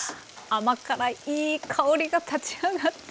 甘辛いいい香りが立ち上がってきました。